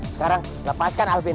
sekarang lepaskan alvin